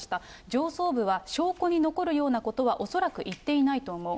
上層部は証拠に残るようなことは恐らく言っていないと思う。